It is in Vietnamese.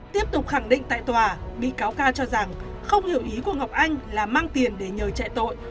tiếp tục khẳng định tại tòa bị cáo ca cho rằng không hiểu ý của ngọc anh là mang tiền để nhờ chạy tội